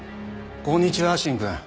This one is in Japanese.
こんにちは芯君。